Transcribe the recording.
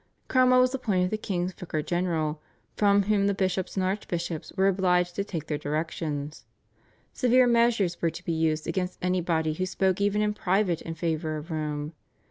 Cromwell was appointed the king's vicar general, from whom the bishops and archbishops were obliged to take their directions. Severe measures were to be used against anybody who spoke even in private in favour of Rome.